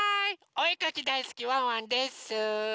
おえかきだいすきワンワンです！